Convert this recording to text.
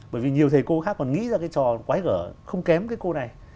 bởi vì nhiều thầy cô khác còn nghĩ ra cái trò quái gỡ không kém cái cô này